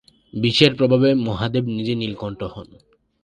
বিষের প্রভাবে মহাদেব নিজে নীলকণ্ঠ হন।